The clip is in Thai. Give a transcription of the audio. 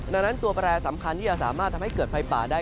ดังนั้นตัวแปรสำคัญที่จะสามารถทำให้เกิดไฟป่าได้